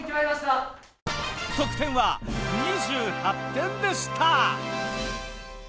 得点は２８点でした。